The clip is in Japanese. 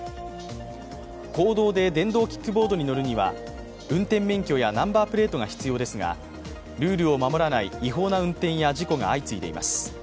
公道で電動キックボードに乗るには運転免許やナンバープレートが必要ですがルールを守らない違法な運転や事故が相次いでいます。